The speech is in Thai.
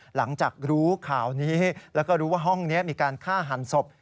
หลังจากรู้ข่าวนี้แล้วก็รู้ว่าห้องนี้มีการฆ่าหันศพ